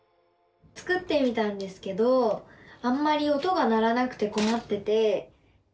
作ってみたんですけどあんまり音が鳴らなくてこまってて。